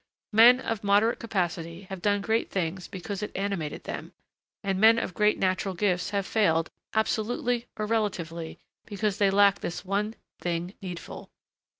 Men of moderate capacity have done great things because it animated them; and men of great natural gifts have failed, absolutely or relatively, because they lacked this one thing needful.